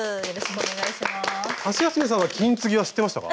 ハシヤスメさんは金継ぎは知ってましたか？